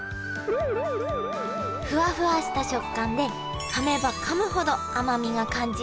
フワフワした食感でかめばかむほど甘みが感じられる。